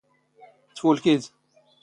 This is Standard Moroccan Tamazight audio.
ⵜⴼⵓⵍⴽⵉⴷ.